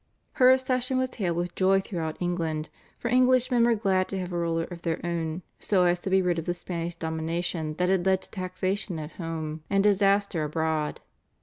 Her accession was hailed with joy throughout England, for Englishmen were glad to have a ruler of their own so as to be rid of the Spanish domination, that had led to taxation at home and disaster abroad.